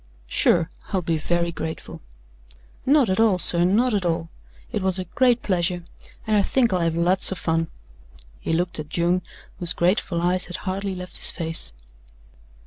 "Sure! I'll be very grateful." "Not at all, sir not at all. It was a great pleasure and I think I'll have lots of fun." He looked at June, whose grateful eyes had hardly left his face.